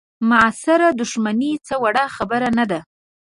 معاصره دوښمني څه وړه خبره نه ده.